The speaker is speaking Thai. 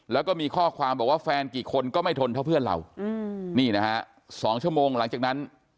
แล้วก็มีข้อความบอกว่าแฟนกี่คนก็ไม่ทนเท่าเพื่อนเรานี่นะฮะ๒ชั่วโมงหลังจากนั้น